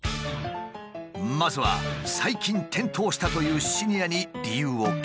まずは最近転倒したというシニアに理由を聞いた。